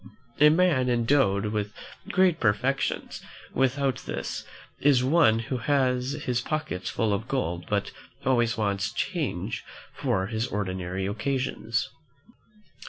A man endowed with great perfections, without this, is like one who has his pockets full of gold but always wants change for his ordinary occasions.